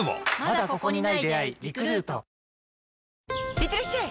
いってらっしゃい！